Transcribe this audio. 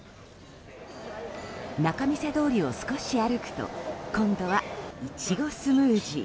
仲見世通りを少し歩くと今度はイチゴスムージー。